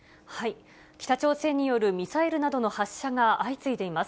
北朝鮮によるミサイルなどの発射が相次いでいます。